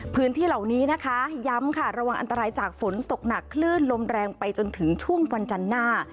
พื้นที่เหล่านี้นะคะย้ำค่ะระวังอันตรายจากฝนตกหนักคลื่นลมแรงไปจนถึงช่วงวันจันทร์หน้า